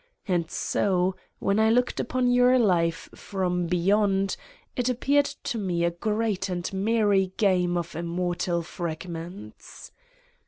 And so: when I looked upon your life from Beyond it appeared to Me a great and merry game of immortal fragments.